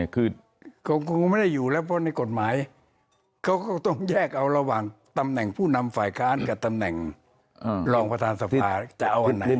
คุณพิธาอยู่ในระหว่างการสั่งยุติการปฏิบัติหน้าที่สอดอยู่